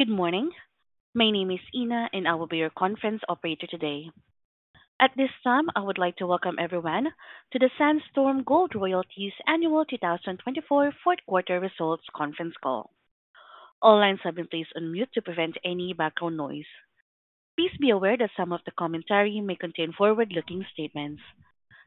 Good morning, my name is Ina and I will be your conference operator today. At this time I would like to welcome everyone to the Sandstorm Gold Royalties Annual 2024 Q4 Results Conference call. All lines have been placed on mute to prevent any background noise. Please be aware that some of the commentary may contain forward-looking statements.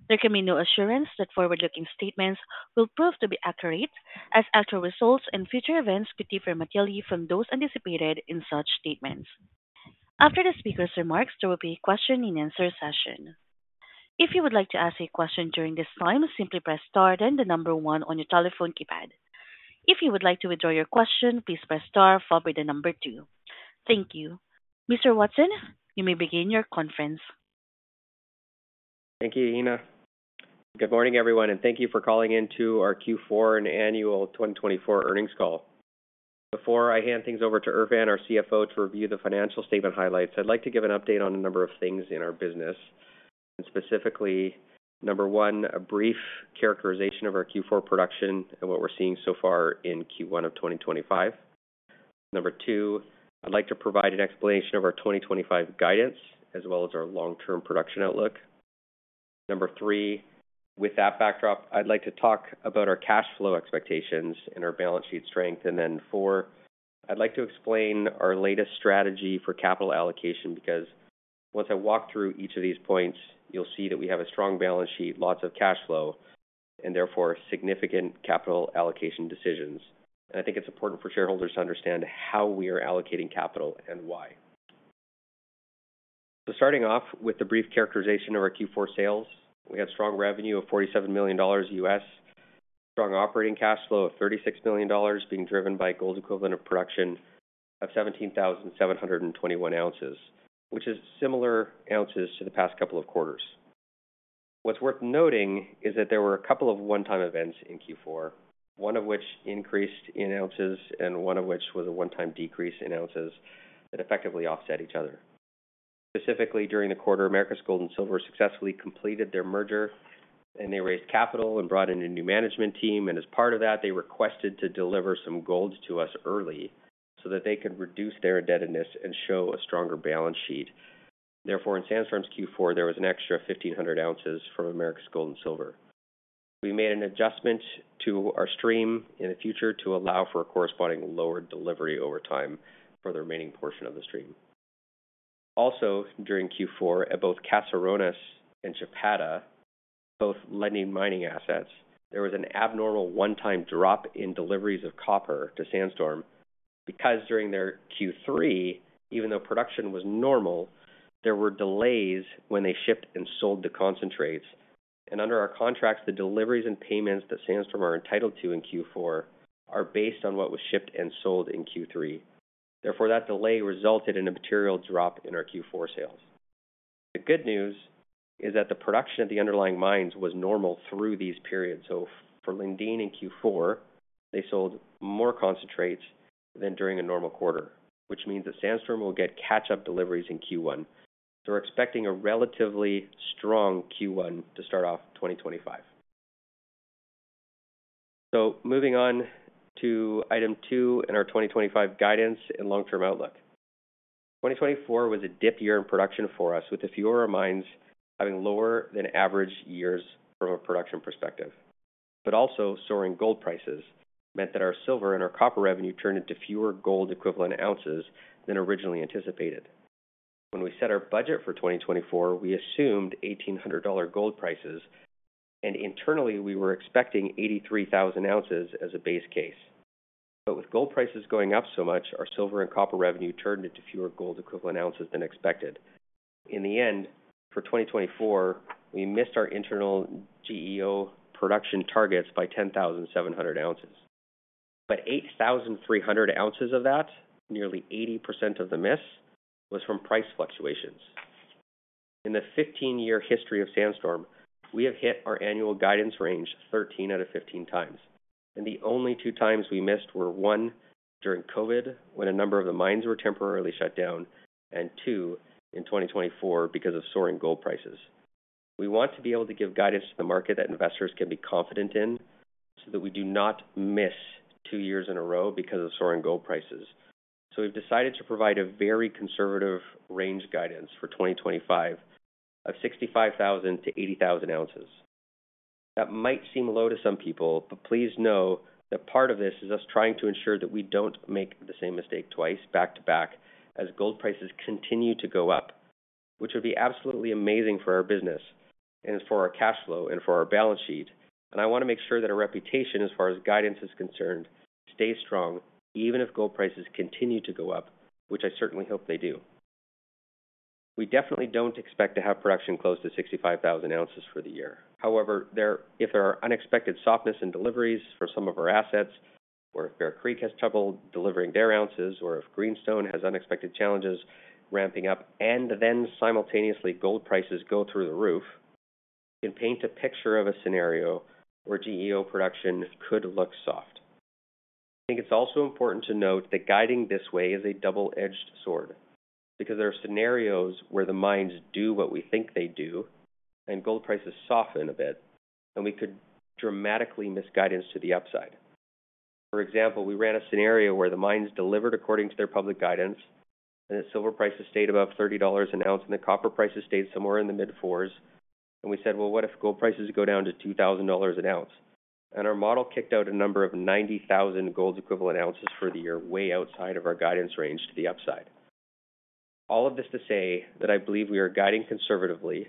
There can be no assurance that forward-looking statements will prove to be accurate and as actual results and future events could differ materially from those anticipated in such statements. After the speaker's remarks there will be question and answer session. If you would like to ask a question during this time, simply press star then the number one on your telephone keypad. If you would like to withdraw your question, please press star then the number two. Thank you Mr. Watson, you may begin your conference. Thank you, Ina. Good morning, everyone, and thank you for calling into our Q4 and annual 2024 earnings call. Before I hand things over to Erfan, our CFO, to review the financial statement highlights, I'd like to give an update on a number of things in our business. Specifically, number one, a brief characterization of our Q4 production and what we're seeing so far in Q1 of 2025. Number two, I'd like to provide an explanation of our 2025 guidance as well as our long-term production outlook. Number three, with that backdrop, I'd like to talk about our cash flow expectations and our balance sheet strength. And then four, I'd like to explain our latest strategy for capital allocation. Because once I walk through each of these points, you'll see that we have a strong balance sheet, lots of cash flow, and therefore significant capital allocation decisions. I think it's important for shareholders to understand how we are allocating capital and why. Starting off with the brief characterization of our Q4 sales, we had strong revenue of $47 million, strong operating cash flow of $36 million being driven by gold equivalent of production of 17,721 ounces, which is similar ounces to the past couple of quarters. What's worth noting is that there were a couple of one-time events in Q4, one of which increased in ounces and one of which was a one-time decrease in ounces that effectively offset each other. Specifically, during the quarter, Americas Gold and Silver successfully completed their merger and they raised capital and brought in a new management team. And as part of that they requested to deliver some gold to us early so that they could reduce their indebtedness and show a stronger balance sheet. Therefore, in Sandstorm's Q4 there was an extra 1,500 ounces from Americas Gold and Silver. We made an adjustment to our stream in the future to allow for a corresponding lower delivery over time for the remaining portion of the stream. Also, during Q4, at both Caserones and Chapada, both Lundin Mining assets. There was an abnormal one-time drop in deliveries of copper to Sandstorm, because during their Q3, even though production was normal, there were delays when they shipped and sold the concentrates, and under our contracts, the deliveries and payments that Sandstorm are entitled to in Q4 are based on what was shipped and sold in Q3. Therefore, that delay resulted in a material drop in our Q4 sales. The good news is that the production of the underlying mines was normal through these periods, so for Lundin in Q4, they sold more concentrates than during a normal quarter, which means that Sandstorm will get catch-up deliveries in Q1. We're expecting a relatively strong Q1 to start off 2025. Moving on to item two in our 2025 guidance and long-term outlook. 2024 was a dip year in production for us, with the Fiore mines having lower than average years from a production perspective. But also soaring gold prices meant that our silver and our copper revenue turned into fewer gold equivalent ounces than originally anticipated. When we set our budget for 2024, we assumed $1,800 gold prices and internally we were expecting 83,000 ounces as a base case. But with gold prices going up so much, our silver and copper revenue turned into fewer gold equivalent ounces than expected. In the end, for 2024, we missed our internal GEO production targets by 10,700 ounces, but 8,300 ounces of that. Nearly 80% of the miss was from price fluctuations. In the 15-year history of Sandstorm, we have hit our annual guidance range 13 out of 15 times. The only two times we missed were one, during COVID when a number of the mines were temporarily shut down, and two, in 2024 because of soaring gold prices. We want to be able to give guidance to the market that investors can be confident in so that we do not miss two years in a row because of soaring gold prices. We've decided to provide a very conservative range guidance for 2025 of 65,000-80,000 ounces. That might seem low to some people, but please know that part of this is us trying to ensure that we don't make the same mistake twice back to back as gold prices continue to go up, which would be absolutely amazing for our business and for our cash flow and for our balance sheet. And I want to make sure that our reputation as far as guidance is concerned stays strong. Even if gold prices continue to go up. We, which I certainly hope they do, we definitely don't expect to have production close to 65,000 ounces for the year. However, if there are unexpected softness in deliveries for some of our assets, or if Bear Creek has trouble delivering their ounces, or if Greenstone has unexpected challenges ramping up and then simultaneously gold prices go through the roof and paint a picture of a scenario where GEO production could look soft. I think it's also important to note that guiding this way is a double edged sword because there are scenarios where the mines do what we think they do and gold prices soften a bit and we could dramatically miss guidance to the upside. For example, we ran a scenario where the mines delivered according to their public guidance and the silver prices stayed above $30 an ounce and the copper prices stayed somewhere in the mid 4s, and we said, well, what if gold prices go down to $2,000 an ounce and our model kicked out a number of 90,000 gold equivalent ounces for the year way outside of our guidance range to the upside. All of this to say that I believe we are guiding conservatively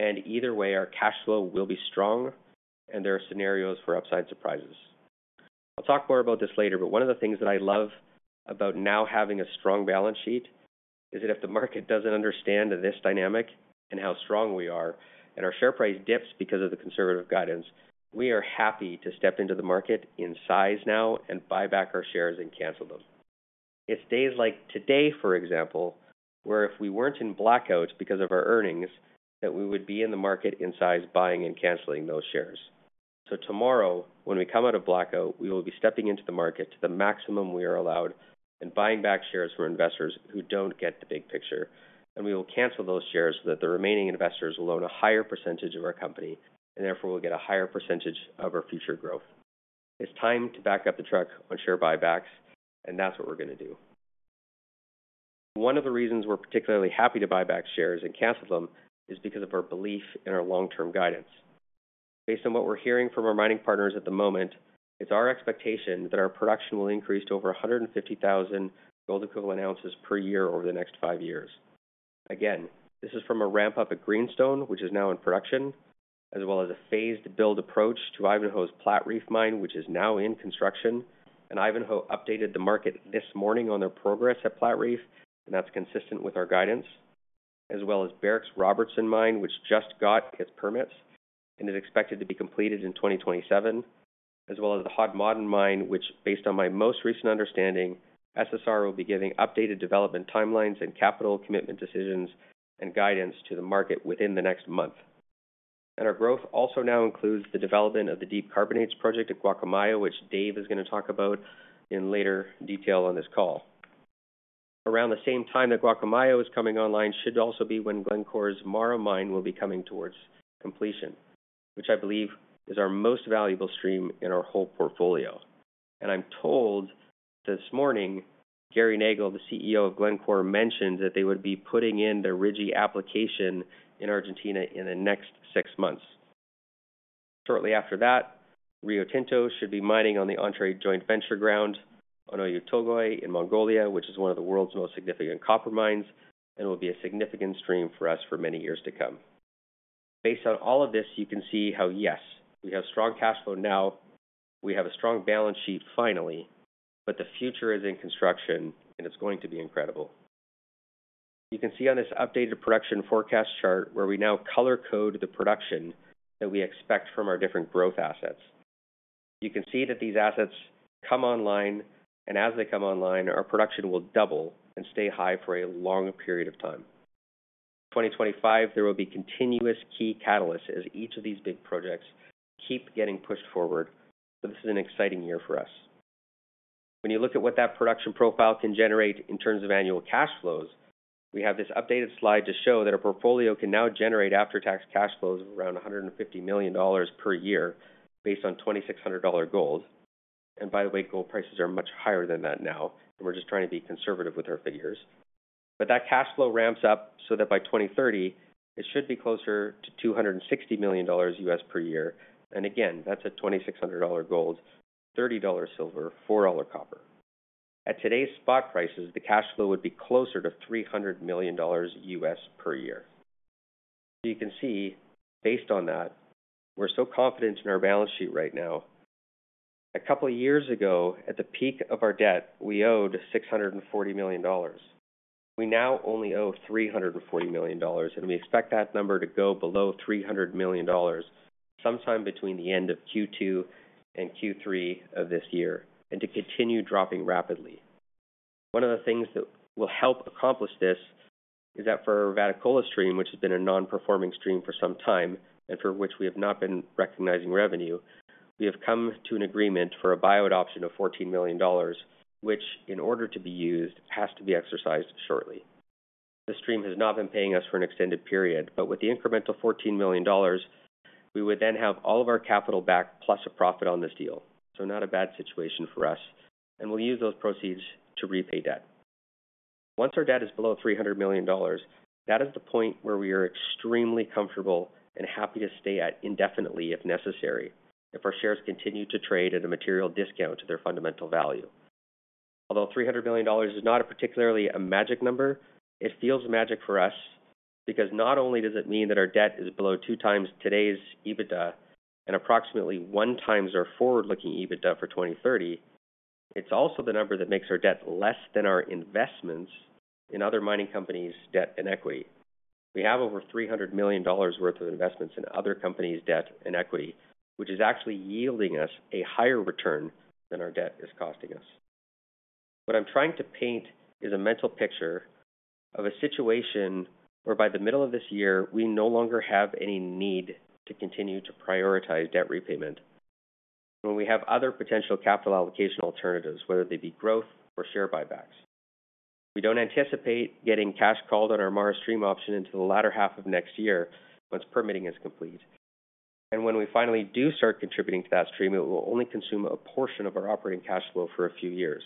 and either way our cash flow will be strong and there are scenarios for upside surprises. I'll talk more about this later, but one of the things that I love about now having a strong balance sheet is that if the market doesn't understand this dynamic and how strong we are and our share price dips because of the conservative guidance, we are happy to step into the market in size now and buy back our shares and cancel them. It's days like today for example, where if we weren't in blackout because of our earnings that we would be in the market in size buying and canceling those shares, so tomorrow when we come out of blackout, we will be stepping into the market to the maximum we are allowed and buying back shares for investors who don't get the big picture. And we will cancel those shares so that the remaining investors will own a higher percentage of our company and therefore we'll get a higher percentage of our future growth. It's time to back up the truck on share buybacks and that's what we're going to do. One of the reasons we're particularly happy to buy back shares and cancel them is because of our belief in our long term guidance. Based on what we're hearing from our mining partners at the moment, it's our expectation that our production will increase to over 150,000 gold equivalent ounces per year over the next five years. Again, this is from a ramp up at Greenstone, which is now in production, as well as a phased build approach to Ivanhoe's Platreef mine, which is now in construction. Ivanhoe updated the market this morning on their progress at Platreef, and that's consistent with our guidance, as well as Barrick's Robertson mine, which just got its permits and is expected to be completed in 2027. As well as the Hod Maden mine, which, based on my most recent understanding. SSR will be giving updated development timelines and capital commitment decisions and guidance to the market within the next month. Our growth also now includes the development of the Deep Carbonates project at Gualcamayo, which Dave is going to talk about in greater detail on this call. Around the same time that Gualcamayo is coming online should also be when Glencore's MARA mine will be coming towards completion, which I believe is our most valuable stream in our whole portfolio. I'm told this morning Gary Nagle, the CEO of Glencore, mentioned that they would be putting in their RIGI application in Argentina in the next six months. Shortly after that, Rio Tinto should be mining on the Entrée joint venture ground on Oyu Tolgoi in Mongolia, which is one of the world's most significant copper mines and will be a significant stream for us for many years to come. Based on all of this, you can see how, yes, we have strong cash flow now. We have a strong balance sheet finally. The future is in construction and it's going to be incredible. You can see on this updated production forecast chart where we now color code the production that we expect from our different growth assets. You can see that these assets come online, and as they come online, our production will double and stay high for a long period of time. 2025, there will be continuous key catalysts as each of these big projects keep getting pushed forward. But this is an exciting year for us when you look at what that production profile can generate in terms of annual cash flows. We have this updated slide to show that a portfolio can now generate after tax cash flows of around $150 million per year based on $2,600 gold. And by the way, gold prices are much higher than that now. And we're just trying to be conservative with our figures, but that cash flow ramps up so that by 2030 it should be closer to $260 million per year. And again, that's a $2,600 gold, $30 silver, $4 copper. At today's spot prices, the cash flow would be closer to $300 million per year. You can see based on that, we're so confident in our balance sheet right now. A couple of years ago, at the peak of our debt, we owed $640 million. We now only owe $340 million and we expect that number to go below $300 million sometime between the end of Q2 and Q3 of this year and to continue dropping rapidly. One of the things that will help accomplish this is that for Vatukoula Stream, which has been a non-performing stream for some time and for which we have not been recognizing revenue, we have come to an agreement for a buyout option of $14 million, which in order to be used has to be exercised shortly. The stream has not been paying us for an extended period, but with the incremental $14 million. We would then have all of our capital back plus a profit on this deal. So not a bad situation for us. And we'll use those proceeds to repay debt once our debt is below $300 million. That is the point where we are extremely comfortable and happy to stay at indefinitely if necessary if our shares continue to trade at a material discount to their fundamental value. Although $300 million is not a particularly magic number, it feels magic for us because not only does it mean that our debt is below two times today's EBITDA and approximately one times our forward looking EBITDA for 2030, it's also the number that makes our debt less than our investments in other mining companies. Debt and equity. We have over $300 million worth of investments in other companies, debt and equity, which is actually yielding us a higher return than our debt is costing us. What I'm trying to paint is a mental picture of a situation where by the middle of this year we no longer have any need to continue to prioritize debt repayment when we have other potential capital allocation alternatives, whether they be growth or share buybacks. We don't anticipate getting cash called on our MARA stream option until the latter half of next year. But once permitting is complete and when we finally do start contributing to that stream, it will only consume a portion of our operating cash flow for a few years.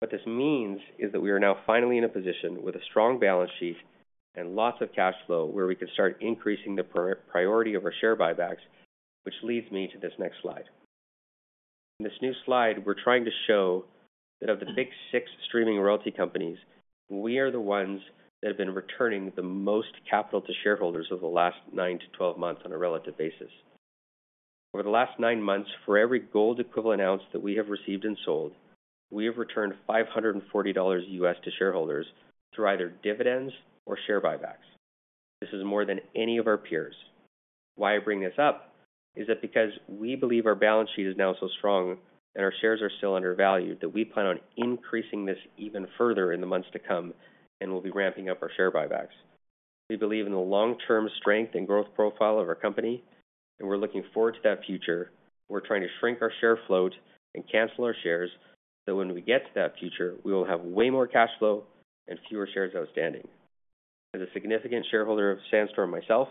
What this means is that we are now finally in a position with a strong balance sheet and lots of cash flow where we can start increasing the priority of our share buybacks. Which leads me to this next slide. In this new slide we're trying to show that of the big six streaming royalty companies, we are the ones that have been returning the most capital to shareholders over the last nine to 12 months on a relative basis. Over the last nine months, for every gold equivalent ounce that we have received and sold, we have returned $540 to shareholders through either dividends or share buybacks. This is more than any of our peers. Why I bring this up is that because we believe our balance sheet is now so strong and our shares are still undervalued that we plan on increasing this even further in the months to come and we'll be ramping up our share buybacks. We believe in the long term strength and growth profile of our company and we're looking forward to that future. We're trying to shrink our share float and cancel our shares that when we get to that future we will have way more cash flow and fewer shares outstanding. As a significant shareholder of Sandstorm myself,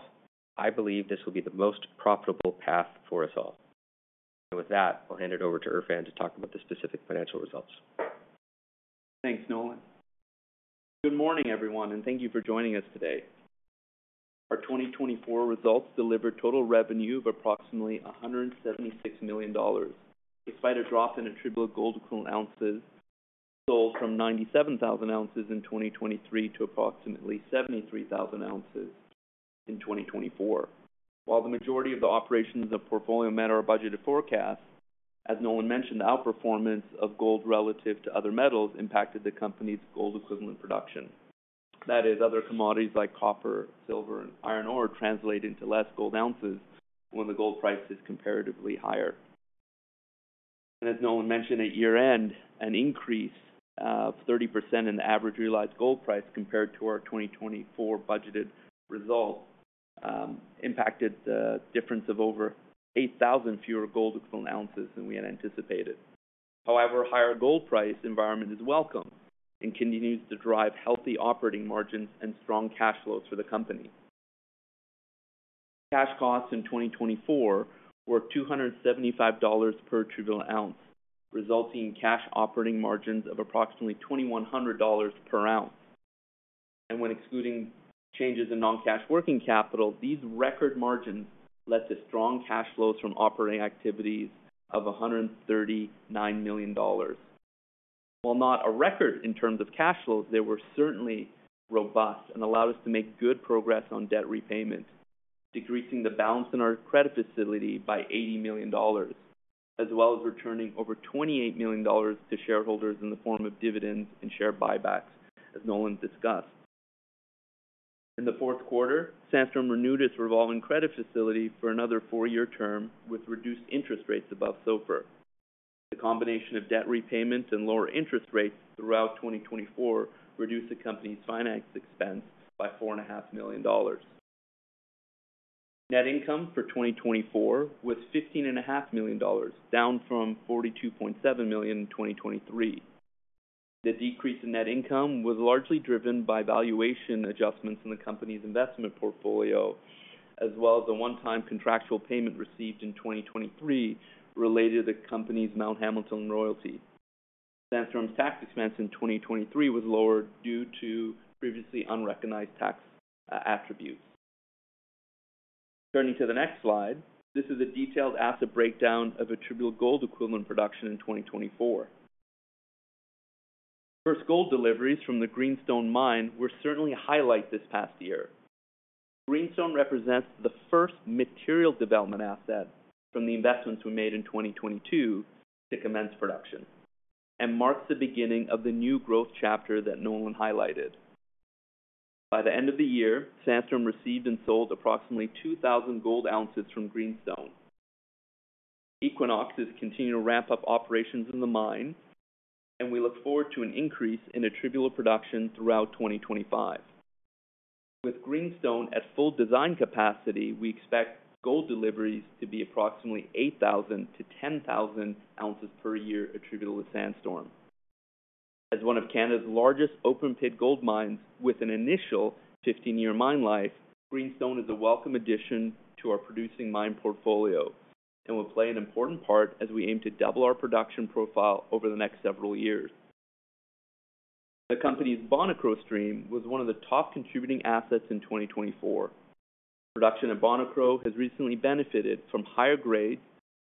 I believe this will be the most profitable path for us all. With that, I'll hand it over to Erfan to talk about the specific financial results. Thanks, Nolan. Good morning, everyone, and thank you for joining us today. Our 2024 results delivered total revenue of approximately $176 million. Despite a drop in attributable gold equivalent ounces sold from 97,000 ounces in 2023 to approximately 73,000 ounces in 2024. While the majority of the operations in our portfolio met our budgeted forecast. As Nolan mentioned, the outperformance of gold relative to other metals impacted the company's gold equivalent production. That is, other commodities like copper, silver and iron ore translate into less gold ounces when the gold price is comparatively higher. As Nolan mentioned, at year end, an increase of 30% in the average realized gold price compared to our 2024 budgeted result impacted the difference of over 88,000 fewer gold equivalent ounces than we had anticipated. However, higher gold price environment is welcome and continues to drive healthy operating margins and strong cash flows for the company. Cash costs in 2024 were $275 per gold equivalent ounce, resulting in cash operating margins of approximately $2,100 per ounce, and when excluding changes in non cash working capital, these record margins led to strong cash flows from operating activities of $139 million. While not a record in terms of cash flows, they were certainly robust and allowed us to make good progress on debt repayment, decreasing the balance in our credit facility by $80 million as well as returning over $28 million to shareholders in the form of dividends and share buybacks. As Nolan discussed in the Q4, Sandstorm renewed its revolving credit facility for another four-year term with reduced interest rates above SOFR. The combination of debt repayment and lower interest rates throughout 2024 reduced the company's finance expense by $4.5 million. Net income for 2024 was $15.5 million, down from $42.7 million in 2023. The decrease in net income was largely driven by valuation adjustments in the company's investment portfolio as well as the one-time contractual payment received in 2023 related to the company's Mount Hamilton royalty. Sandstorm's tax expense in 2023 was lower due to previously unrecognized tax attributes. Turning to the next slide, this is a detailed asset breakdown of attributable gold equivalent production in 2024. First gold deliveries from the Greenstone mine were certainly a highlight this past year. Greenstone represents the first material development asset from the investments we made in 2022 to commence production and marks the beginning of the new growth chapter that Nolan highlighted. By the end of the year, Sandstorm received and sold approximately 2,000 gold ounces from Greenstone. Equinox is continuing to ramp up operations in the mine and we look forward to an increase in attributable production throughout 2025. With Greenstone at full design capacity, we expect gold deliveries to be approximately 8,000-10,000 ounces per year attributable to Sandstorm. As one of Canada's largest open pit gold mines with an initial 15-year mine life, Greenstone is a welcome addition to our producing mine portfolio and will play an important part as we aim to double our production profile over the next several years. The company's Bonikro Stream was one of the top contributing assets in 2024. Production at Bonikro has recently benefited from higher grades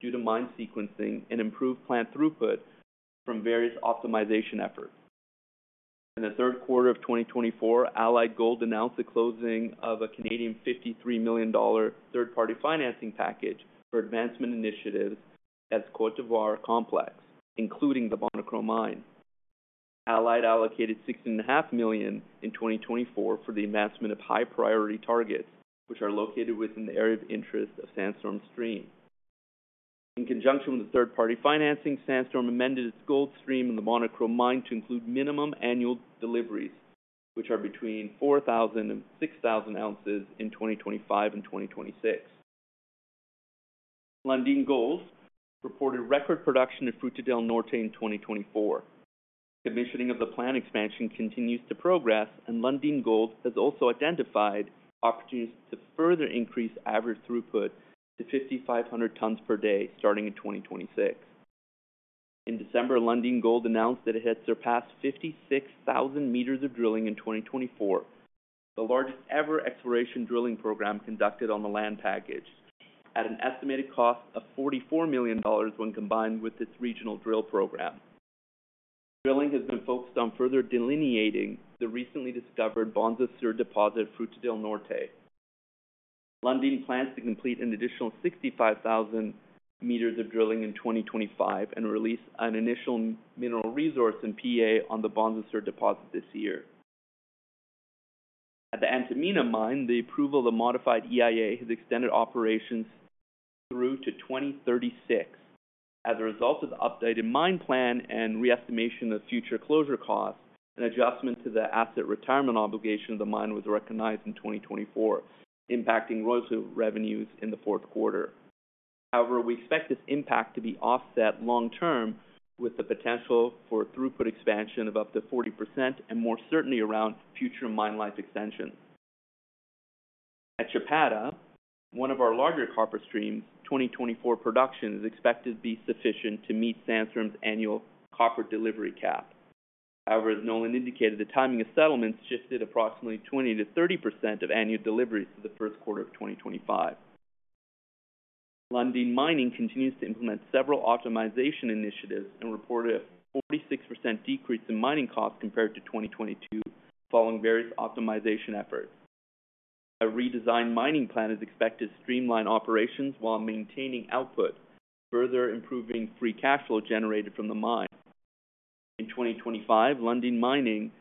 due to mine sequencing and improved plant throughput from various optimization efforts. In the Q3 of 2024, Allied Gold announced the closing of a 53 million Canadian dollars third-party financing package for advancement initiatives at the Côte d'Ivoire complex including the Bonikro mine. Allied allocated 16.5 million in 2024 for the advancement of high priority targets which are located within the area of interest of Sandstorm Stream. In conjunction with the third-party financing, Sandstorm amended its gold stream on the Bonikro mine to include minimum annual deliveries which are between 4,000 and 6,000 ounces in 2025 and 2026. Lundin Gold reported record production at Fruta del Norte in 2024. Commissioning of the plant expansion continues to progress and Lundin Gold has also identified opportunities to further increase average throughput to 5,500 tons per day starting in 2026. In December, Lundin Gold announced that it had surpassed 56,000 meters of drilling in 2024, the largest ever exploration drilling program conducted on the land package at an estimated cost of $44 million. When combined with its regional drill program, drilling has been focused on further delineating the recently discovered Bonza Sur deposit, Fruta del Norte. Lundin plans to complete an additional 65,000 meters of drilling in 2025 and release an initial mineral resource and PEA on the Bonza Sur deposit this year. At the Antamina Mine, the approval of the modified EIA has extended operations through to 2036. As a result of the updated mine plan and re-estimation of future closure costs, an adjustment to the asset retirement obligation of the mine was recognized in 2024, impacting royalty revenues in the Q4. However, we expect this impact to be offset long-term with the potential for throughput expansion of up to 40% and more certainty around future mine life extension. At Chapada, one of our larger copper streams, 2024 production is expected to be sufficient to meet Sandstorm's annual copper delivery cap. However, as Nolan indicated, the timing of settlements shifted approximately 20%-30% of annual deliveries for the Q1 of 2025. Lundin Mining continues to implement several optimization initiatives and reported a 46% decrease in mining costs compared to 2022. Following various optimization efforts, a redesigned mining plan is expected to streamline operations while maintaining output, further improving free cash flow generated from the mine. In 2025, Lundin Mining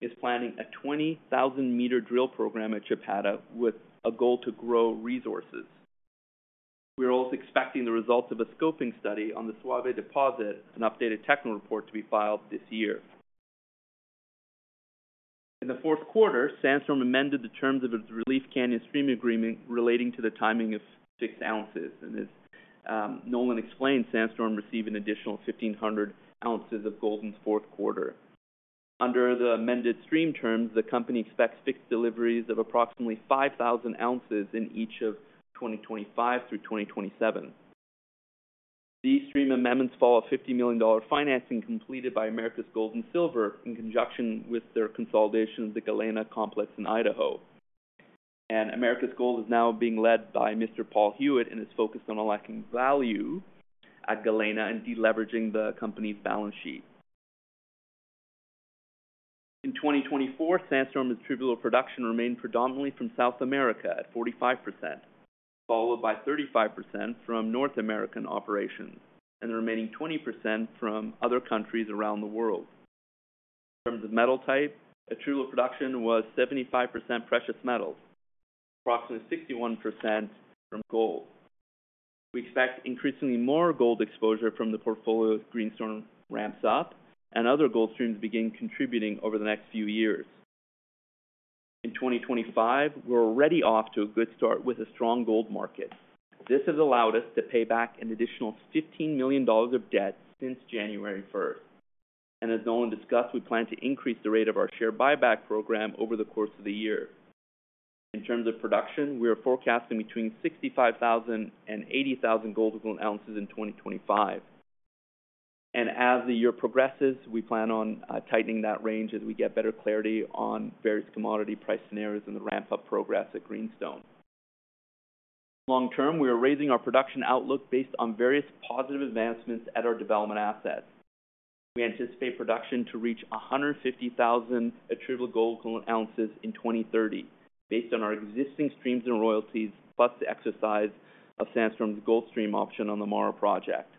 is planning a 20,000 meter drill program at Chapada with a goal to grow resources. We are also expecting the results of a scoping study on the Saúva Deposit, an updated technical report to be filed this year. In the Q4, Sandstorm amended the terms of its Relief Canyon Stream Agreement relating to the timing of fixed ounces, and as Nolan explained, Sandstorm received an additional 1,500 ounces of gold in the Q4. Under the amended stream terms, the Company expects fixed deliveries of approximately 5,000 ounces in each of 2025 through 2027. These stream amendments follow $50 million financing completed by Americas Gold and Silver in conjunction with their consolidation of the Galena Complex in Idaho, and Americas Gold is now being led by Mr. Paul Huet and is focused on unlocking value at Galena and deleveraging the company's balance sheet. In 2024, Sandstorm's attributable production remained predominantly from South America at 45%, followed by 35% from North American operations and the remaining 20% from other countries around the world. In terms of metal type, attributable production was 75% precious metals, approximately 61% from gold. We expect increasingly more gold exposure from the portfolio as Greenstone ramps up and other gold streams begin contributing over the next few years. In 2025 we're already off to a good start with a strong gold market. This has allowed us to pay back an additional $15 million of debt since January 1, and as Nolan discussed, we plan to increase the rate of our share buyback program over the course of the year. In terms of production, we are forecasting between 65,000 and 80,000 gold ounces in 2025, and as the year progresses we plan on tightening that range as we get better clarity on various commodity price scenarios in the upcoming progress at Greenstone. Long-term, we are raising our production outlook based on various positive advancements at our development assets. We anticipate production to reach 150,000 attributable gold ounces in 2030 based on our existing streams and royalties, plus the exercise of Sandstorm's gold stream option on the MARA project.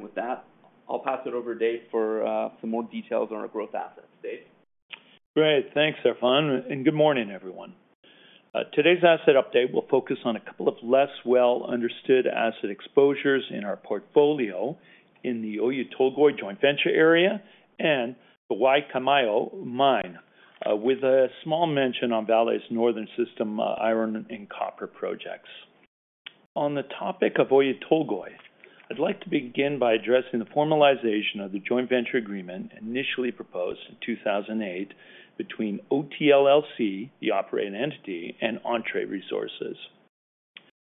With that, I'll pass it over to Dave for some more details on our growth assets. Great. Thanks Erfan and good morning everyone. Today's asset update will focus on a couple of less well understood asset exposures in our portfolio in the Oyu Tolgoi Joint Venture area and the Gualcamayo Mine, with a small mention on Vale's Northern System iron and copper projects. On the topic of Oyu Tolgoi, I'd like to begin by addressing the formalization of the Joint Venture Agreement initially proposed in 2008 between OTLLC, the operating entity and Entrée Resources.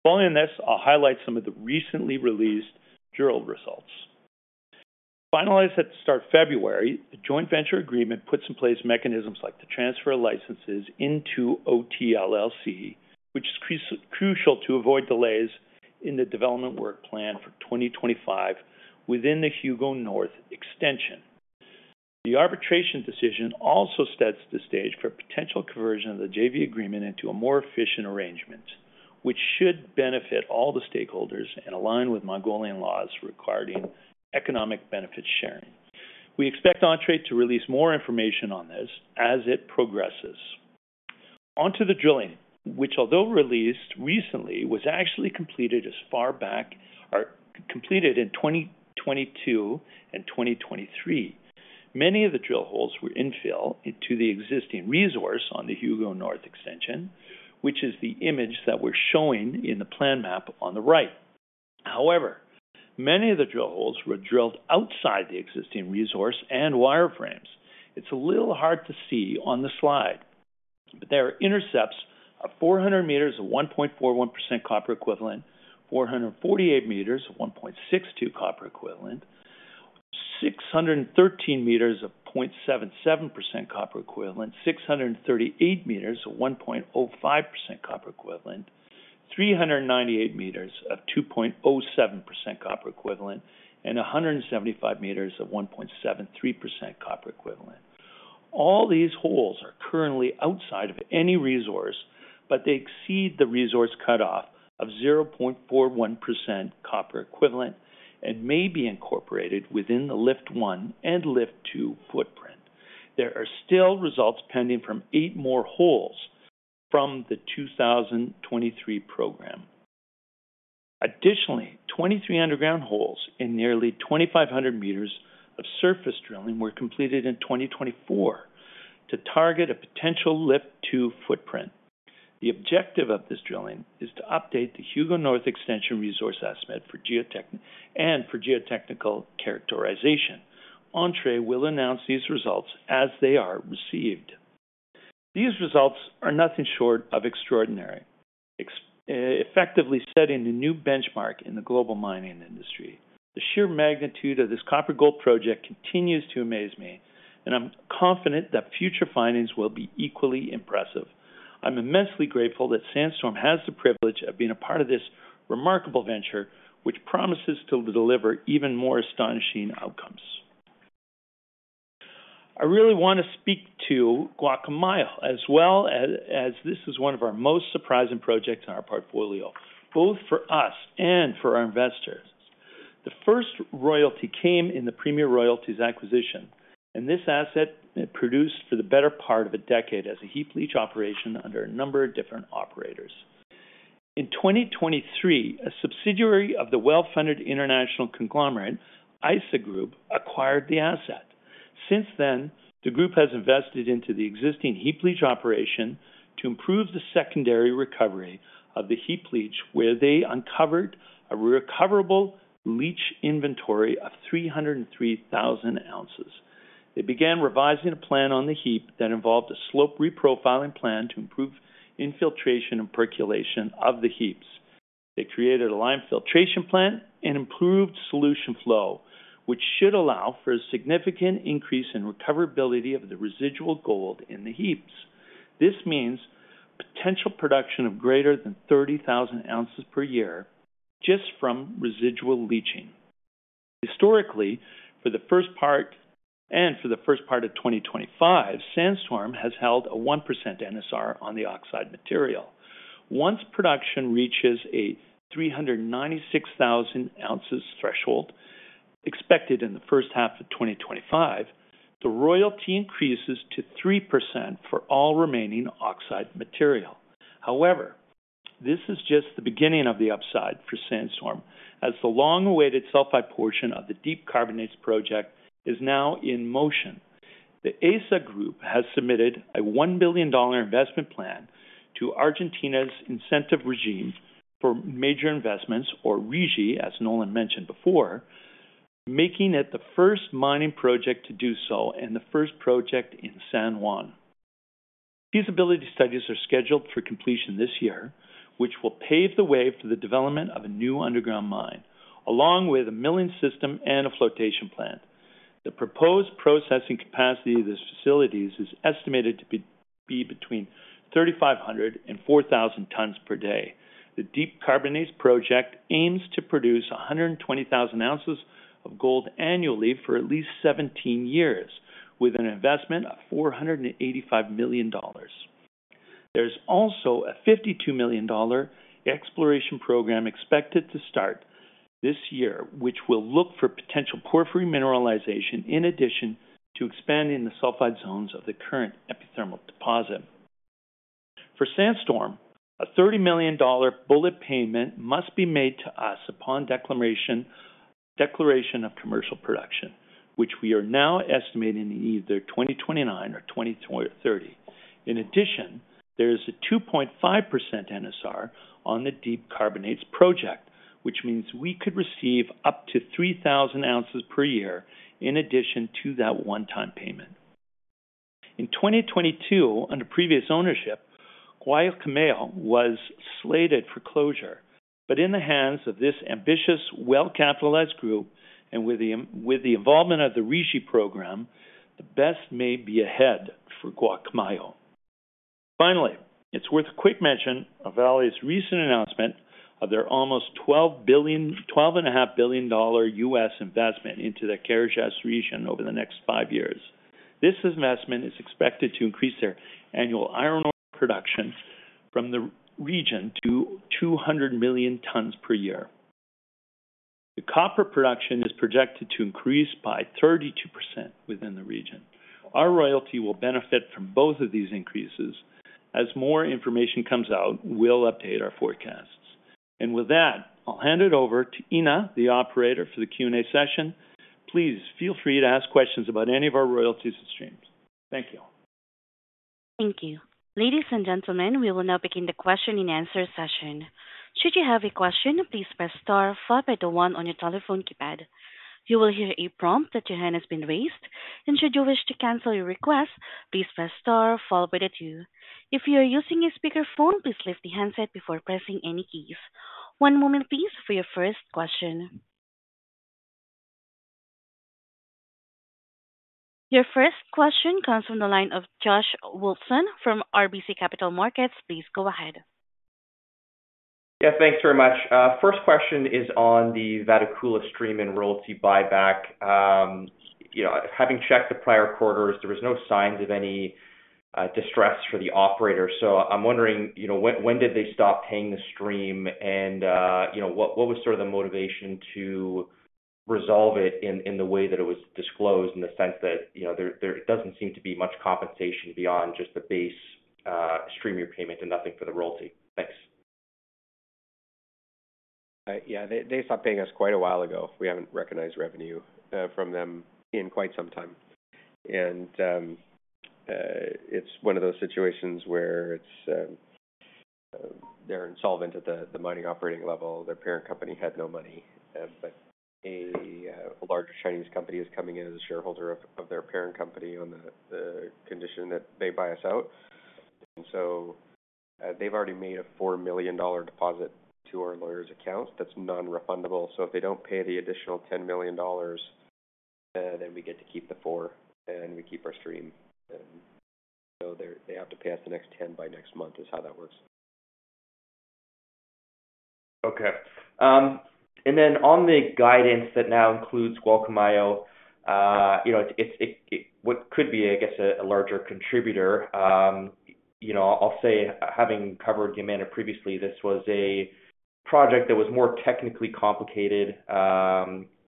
Following this, I'll highlight some of the recently released drilling results finalized at the start of February. The Joint Venture agreement puts in place mechanisms like the transfer of licenses into OTLLC, which is crucial to avoid delays in the development work plan for 2025 within the Hugo North Extension. The arbitration decision also sets the stage for potential conversion of the JV Agreement into a more efficient arrangement which should benefit all the stakeholders and align with Mongolian laws regarding economic benefit sharing. We expect Entrée to release more information on this as it progresses onto the drilling, which although released recently, was actually completed as far back as 2022 and 2023. Many of the drill holes were infill into the existing resource on the Hugo North Extension, which is the image that we're showing in the plan map on the right. However, many of the drill holes were drilled outside the existing resource and wireframes. It's a little hard to see on the slide, but there are intercepts of 400 meters of 1.41% copper equivalent, 4,448 meters of 1.62% copper equivalent, 613 meters of 0.77% copper equivalent, 638 meters of 1.05% copper equivalent, 398 meters of 2.07% copper equivalent, and 175 meters of 1.73% copper equivalent. All these holes are currently outside of any resource, but they exceed the resource cutoff of 0.41% copper equivalent and may be incorporated within the Lift 1 and Lift 2 footprint. There are still results pending from eight more holes from the 2023 program. Additionally, 23 underground holes in nearly 2,500 meters of surface drilling were completed in 2024 to target a potential Lift 2 footprint. The objective of this drilling is to update the Hugo North Extension resource estimate and for geotechnical characterization. Entrée will announce these results as they are received. These results are nothing short of extraordinary, effectively setting a new benchmark in the global mining industry. The sheer magnitude of this copper gold project continues to amaze me and I'm confident that future findings will be equally important impressive. I'm immensely grateful that Sandstorm has the privilege of being a part of this remarkable venture which promises to deliver even more astonishing outcomes. I really want to speak to Gualcamayo as well, as this is one of our most surprising projects in our portfolio, both for us and for our investors. The first royalty came in the premier royalties acquisition and this asset produced for the better part of a decade as a heap leach operation under a number of different operators. In 2023, a subsidiary of the well-funded international conglomerate Eris LLC acquired the asset. Since then, the group has invested into the existing heap leach operation to improve the secondary recovery of the heap leach where they uncovered a recoverable leach inventory of 303,000 ounces. They began revising a plan on the heap that involved a slope reprofiling plan to improve infiltration and percolation of the heaps. They created a lime filtration plan and improved solution flow which should allow for a significant increase in recoverability of the residual gold in the heaps. This means potential production of greater than 30,000 ounces per year just from residual leaching. Historically, for the first part of 2025, Sandstorm has held a 1% NSR on the oxide material. Once production reaches a 396,000 ounces threshold expected in the first half of 2025, the royalty increases to 3% for all remaining oxide material. However, this is just the beginning of the upside for Sandstorm as the long awaited sulfide portion of the Deep Carbonates project is now in motion. Eris has submitted a $1 billion investment plan to Argentina's incentive regime for major investments or RIGI, as Nolan mentioned before, making it the first mining project to do so and the first project in San Juan. Feasibility studies are scheduled for completion this year, which will pave the way for the development of a new underground mine along with a milling system and a flotation plant. The proposed processing capacity of these facilities is estimated to be between 3,500 and 4,000 tons per day. The Deep Carbonates project aims to produce 120,000 ounces of gold annually for at least 17 years, which with an investment of $485 million. There's also a $52 million exploration program expected to start this year which will look for potential porphyry mineralization in addition to expanding the sulfide zones of the current epithermal deposit. For Sandstorm, a $30 million bullet payment must be made to us upon declaration of Commercial Production, which we are now estimating either 2029 or 2030. In addition, there is a 2.5% NSR on the Deep Carbonates project, which means we could receive up to 3,000 ounces per year in addition to that one-time payment in 2022. Under previous ownership, Gualcamayo was slated for closure. But in the hands of this ambitious, well capitalized group and with the involvement of the RIGI program, the best may be ahead for Gualcamayo. Finally, it's worth a quick mention of Vale's recent announcement of their almost $12.5 billion investment into the Carajás region over the next five years. This investment is expected to increase their annual iron ore production from the region to 200 million tons per year. The copper production is projected to increase by 32% within the region. Our royalty will benefit from both of these increases. As more information comes out, we'll update our forecasts. And with that, I'll hand it over to Ina, the operator for the Q and A session. Please feel free to ask questions about any of our royalties and streams. Thank you. Thank you, ladies and gentlemen. We will now begin the question and answer session. Should you have a question, please press star followed by the 1. On your telephone you will hear a prompt that your hand has been raised and should you wish to cancel your request, please press star followed by the two. If you are using a speakerphone, please lift the handset before pressing any keys. One moment please for your first question. Your first question comes from the line of Josh Wolfson from RBC Capital Markets. Please go ahead. Yeah, thanks very much. First question is on the Vatukoula stream and royalty buyback. You know, having checked the prior quarters, there was no signs of any distress for the operator. So I'm wondering, you know, when did they stop paying the stream and you know, what was sort of the motivation to resolve it in the way that it was disclosed in the sense that, you know, there doesn't seem to be much compensation beyond just the base stream, your payment and nothing for the royalty. Thanks. Yeah, they stopped paying us quite a while ago. We haven't recognized revenue from them in quite some time and. It's one of those situations where it's. They're insolvent at the mining operating level. Their parent company had no money, but a large Chinese company is coming in as a shareholder of their parent company on the condition that they buy us out. So they've already made a $4 million deposit to our lawyer's account that's non-refundable. So if they don't pay the additional $10 million then we get to keep the four and we keep our stream. So they have to pay us the next 10 by next month is how that works. Okay. Then on the guidance that now includes Gualcamayo, you know, what could be, I guess, a larger contributor. You know, I'll say having covered Yamana previously, this was a project that was more technically complicated.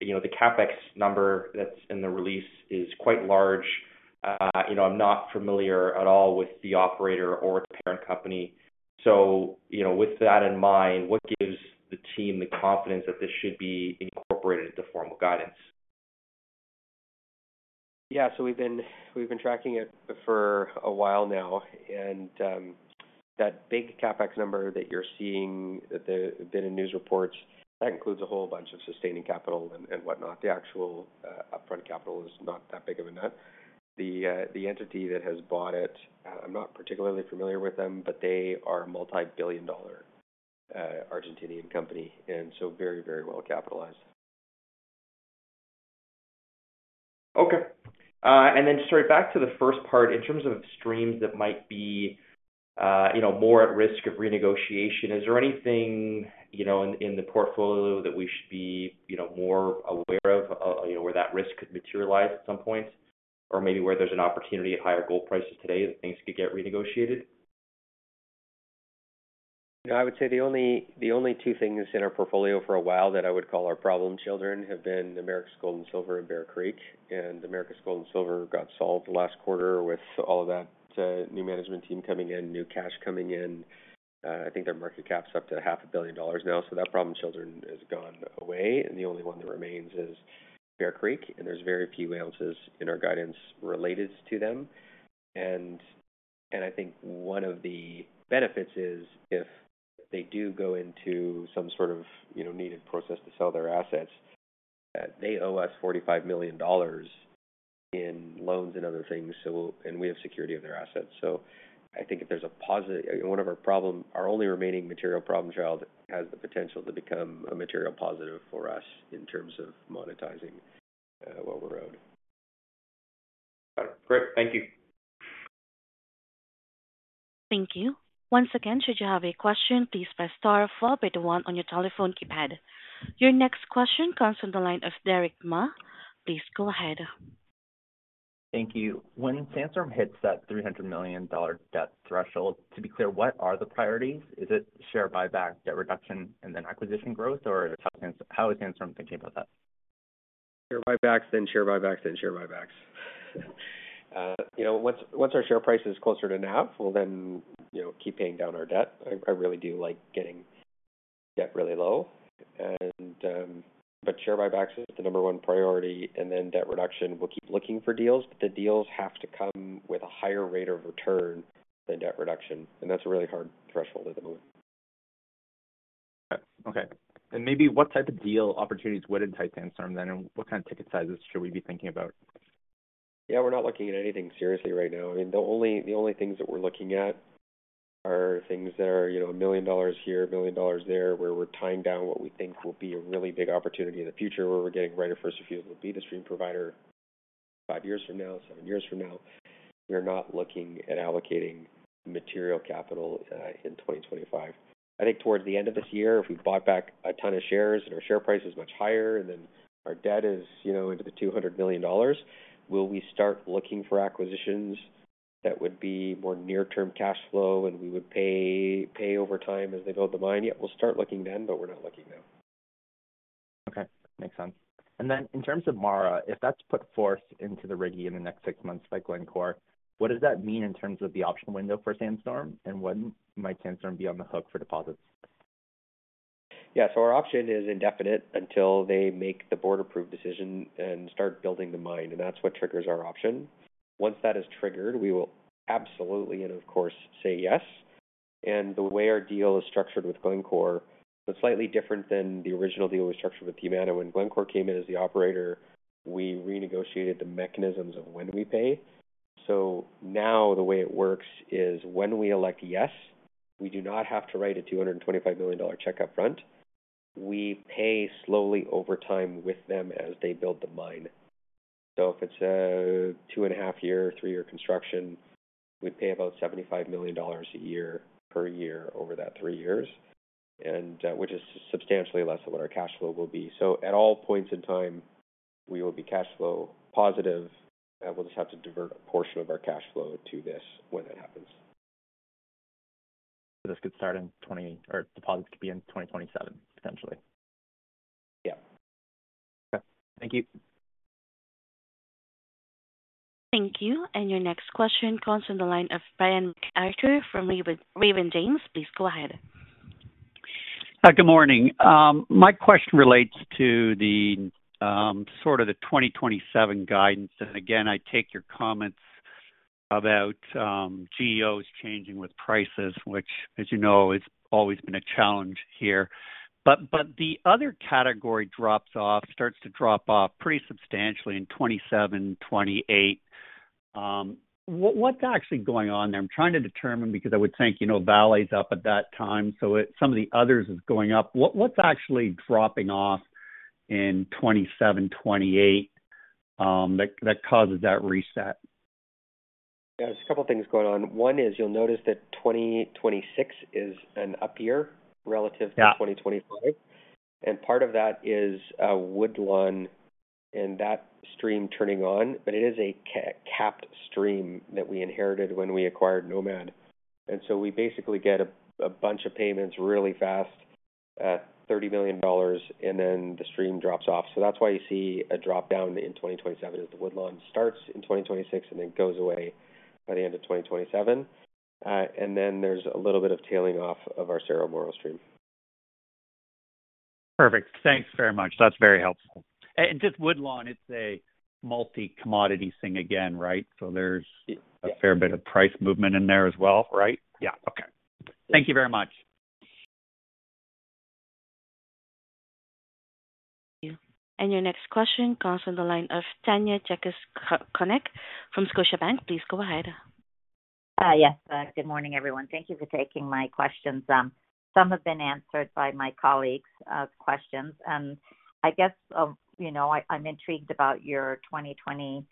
You know, the CapEx number that's in the release is quite large. You know, I'm not familiar at all with the operator or the parent company. So you know, with that in mind, what gives the team the confidence that this should be incorporated into formal guidance? Yeah, so we've been tracking it for a while now and that big CapEx number that you're seeing that the bid in news reports, that includes a whole bunch of sustaining capital and whatnot. The actual upfront capital is not that big of a nut. The entity that has bought it, I'm not particularly familiar with them, but they are a multi-billion-dollar Argentinian company and so very, very well capitalized. Okay, and then, sorry, back to the first part. In terms of streams that might be more at risk of renegotiation, is there anything in the portfolio that we should be more aware of, where that risk could materialize at some point or maybe where there's an opportunity at higher gold prices today that things could get renegotiated? I would say the only two things in our portfolio for a while that I would call our problem children have been Americas Gold and Silver and Bear Creek. Americas Gold and Silver got solved last quarter with all of that new management team coming in, new cash coming in. I think their market cap's up to $500 million now. That problem children has gone away, and the only one that remains is Bear Creek. There's very few ounces in our guidance related to them. One of the benefits is if they do go into some sort of needed process to sell their assets, they owe us $45 million in loans and other things, and we have security of their assets. I think if there's a positive, one of our problems, our only remaining material problem child has the potential to become a material positive for us in terms of monetizing while we're out. Great. Thank you. Thank you once again. Should you have a question, please press star followed by the one on your telephone keypad. Your next question comes from the line of Derick Ma. Please go ahead. Thank you. When Sandstorm hits that $300 million debt threshold, to be clear, what are the priorities? Is it share buyback, debt reduction, and then acquisition growth, or how is Sandstorm thinking about that? Share buybacks, then share buybacks, then share buybacks. You know, once our share price is closer to NAV, we'll then, you know, keep paying down our debt. I really do like getting debt really. Low.But share buybacks is the number one priority. And then debt reduction. We'll keep looking for deals, but the deals have to come with a higher rate of return than debt reduction. And that's a really hard threshold at the moment. Okay, and maybe what type of deal? Opportunities within tight Sandstorm then? And what kind of ticket sizes should we be thinking about? Yeah, we're not looking at anything seriously right now. I mean, the only, the only things that we're looking at are things that are, you know, $1 million here, $1 million there, where we're tying down what we think will be a really big opportunity in the future where we're getting right of first refusal to be a stream provider five years from now, seven years from now. We're not looking at allocating material capital in 2025. I think towards the end of this year, if we bought back a ton of shares and our share price is much higher. Then our debt is, you know, into the $200 million. Will we start looking for acquisitions that would be more near-term cash flow and we would pay over time as they build the mine yet? We'll start looking then, but we're not looking now. Okay, makes sense. And then in terms of MARA, if that's put forth into the RIGI in the next six months by Glencore, what does that mean in terms of the option window for Sandstorm and when might Sandstorm be on the hook for deposits? Yeah, so our option is indefinite until they make the board-approved decision and start building the mine. And that's what triggers our option. Once that is triggered, we will absolutely and of course say yes. And the way our deal is structured with Glencore, it's slightly different than the original deal we structured with Yamana. When Glencore came in as the operator, we renegotiated the mechanisms of when we pay. So now the way it works is when we elect yes, we do not have to write a $225 million check up front. We pay slowly over time with them as they build the mine. So if it's a two and a half year, three year construction, we pay about $75 million a year per year over that three years, which is substantially less than what our cash flow will be. So at all points in time we will be cash flow positive and we'll just have to divert a portion of our cash flow to this when that happens. So this could start in 2024 or deposits could be in 2027 potentially. Yeah. Okay, thank you. Thank you. And your next question comes from the line of Brian MacArthur from Raymond James, please go ahead. Good morning. My question relates to the sort of the 2027 guidance. And again I take your comments about GEOs changing with prices, which as you know, has always been a challenge here. But the other category drops off, starts to drop off pretty substantially in 2027-2028. What's actually going on there? I'm trying to determine because I would think, you know, Vale's up at that time, so some of the others is going up. What's actually dropping off in 2027-2028 that causes that reset? Yeah, there's a couple things going on. One is you'll notice that 2026 is an up year relative to 2025 and part of that is a Woodlawn and that stream turning on, but it is a capped stream that we inherited when we acquired Nomad. And so we basically get a bunch of payments really fast, $30 million and then the stream drops off. So that's why you see a drop down in 2027 as the Woodlawn starts in 2026 and then goes away by the end of 2027. And then there's a little bit of tailing off of our Cerro Moro stream. Perfect, thanks very much. That's very helpful. And just Woodlawn, it's a multi commodity thing again, right? So there's a fair bit of price movement in there as well, right? Yeah. Okay, thank you very much. Your next question comes from the line of Tanya Jakusconek from Scotiabank. Please go ahead. Yes, good morning everyone. Thank you for taking my questions. Some have been answered by my colleagues' questions, and I guess you know I'm intrigued about your 2025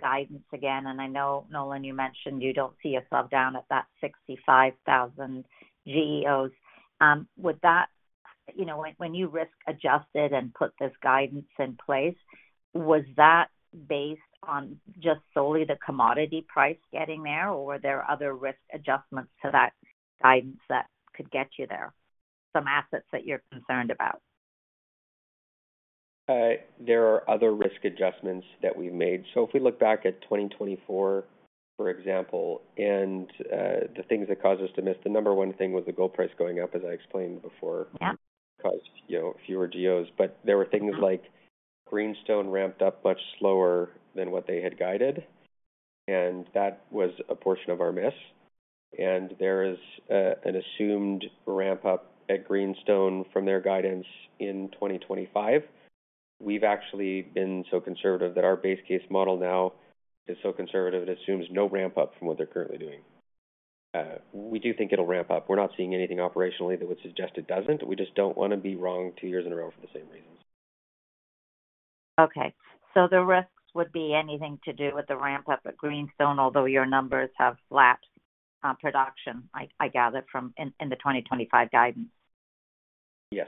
guidance again, and I know Nolan, you mentioned you don't see yourself down at that 65,000 GEOs. Would that, you know, when you risk adjusted and put this guidance in place, was that based on just solely the commodity price getting there or are there other risk adjustments to that guidance that could get you there? Some assets that you're concerned about? There are other risk adjustments that we've made so if we look back at 2024 for example, and the things that caused us to miss, the number one thing was the gold price going up, as I explained before, caused fewer GEOs, but there were things like Greenstone ramped up much slower than what they had guided and that was a portion of our miss and there is an assumed ramp up at Greenstone from their guidance in 2025. We've actually been so conservative that our base case model now is so conservative it assumes no ramp up from what they're currently doing. We do think it'll ramp up. We're not seeing anything operationally that would suggest it doesn't. We just don't want to be wrong two years in a row for the same reasons. Okay, so the risks would be anything to do with the ramp up at Greenstone. Although your numbers have last production, I gather from the 2025 guidance. Yes.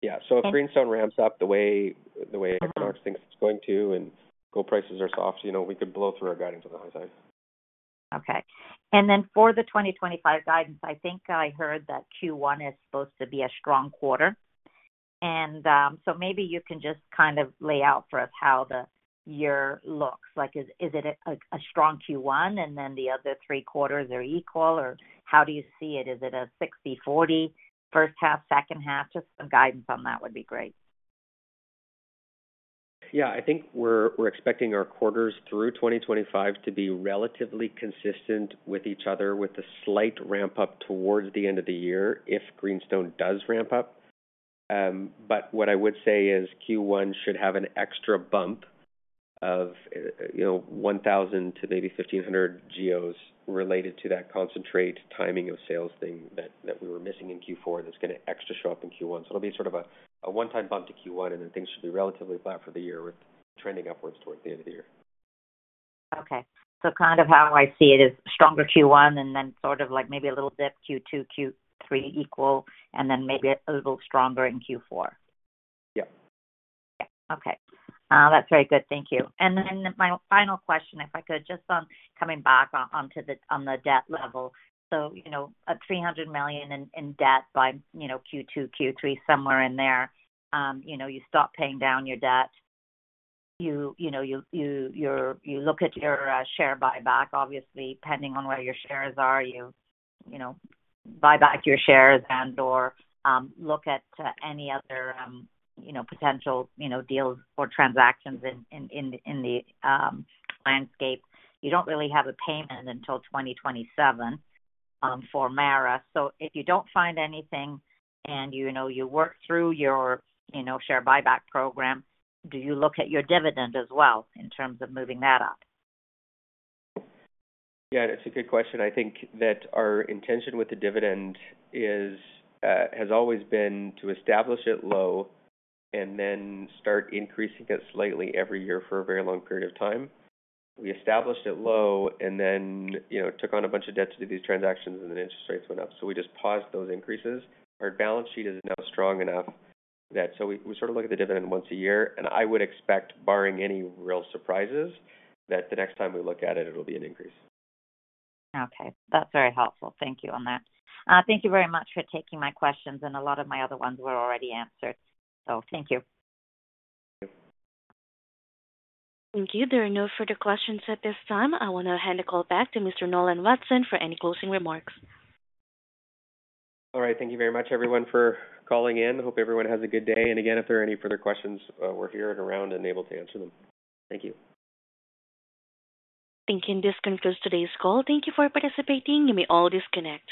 Yeah. So if Greenstone ramps up the way Equinox thinks it's going to, and gold prices are soft, you know, we could blow through our guidance on the high side. Okay. And then for the 2025 guidance, I think I heard that Q1 is supposed to be a strong quarter. And so maybe you can just kind of lay out for us how the year looks like. Is it a strong Q1 and then the other three quarters are equal or how do you see it? Is it a 60-40 first half, second half? Just some guidance on that would be great. Yeah, I think we're expecting our quarters through 2025 to be relatively consistent with each other with a slight ramp up towards the end of the year if Greenstone does ramp up. But what I would say is Q1 should have an extra bump of you know, 1000 to maybe 1500 GEOs related to that concentrate timing of sales thing that, that we were missing in Q4. That's going to extra show up in Q1. So it'll be sort of a one time bump to Q1 and then things should be relatively flat for the year with trending upwards towards the end of the year. Okay, so kind of how I see it is stronger Q1 and then sort of like maybe a little dip Q2, Q3 equal, and then maybe a little stronger in Q4. Yeah. Okay, that's very good. Thank you. And then my final question, if I could just on coming back onto the, on the debt level. So you know, at $300 million in debt by you know, Q2, Q3, somewhere in there, you know, you stop paying down your debt. You know, you look at your share buyback obviously depending on where your shares are, you know, buy back your shares and, or look at any other, you know, potential, you know, deals or transactions in the landscape. You don't really have a payment until 2027 for MARA. So if you don't find anything and you know, you work through your, you know, share buyback program, do you look at your dividend as well in terms of moving that up? Yeah, that's a good question. I think that our intention with the dividend is, has always been to establish it low and then start increasing it slightly every year for a very long period of time. We established it low and then took on a bunch of debt to do these transactions and then interest rates went up. So we just paused those increases. Our balance sheet is now strong enough that, so we sort of look at the dividend once a year and I would expect, barring any real surprises, that the next time we look at it, it'll be an increase. Okay, that's very helpful, thank you on that. Thank you very much for taking my questions and a lot of my other ones were already answered. So thank you. Thank you. There are no further questions at this time. I want to hand the call back to Mr. Nolan Watson for any closing remarks. All right, thank you very much, everyone, for calling in. Hope everyone has a good day. And again, if there are any further questions, we're here and around and able to answer them. Thank you. Thank you. This concludes today's call. Thank you for participating. You may all disconnect.